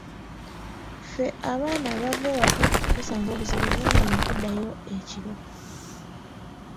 Ffe abaana abava ewaka tusanga obuzibu bungi mu kuddayo ekiro.